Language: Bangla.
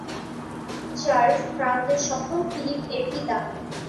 চার্লস ফ্রান্সের সপ্তম ফিলিপ-এর পিতা।